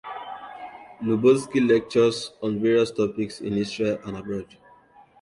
Lubotzky lectures on various topics in Israel and abroad.